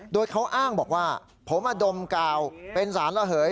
โดยเขาอ้างบอกว่าผมมาดมกาวเป็นสารระเหย